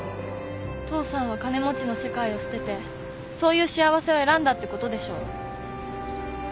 父さんは金持ちの世界を捨ててそういう幸せを選んだってことでしょ。